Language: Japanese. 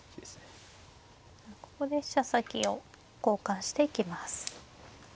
ここで飛車先を交換していきます。